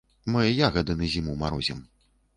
Мы ягады на зіму марозім.